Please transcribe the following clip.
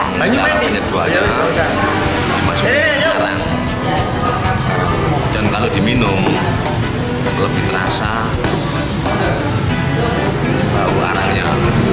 dan kalau diminum lebih terasa